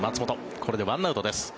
これで１アウトです。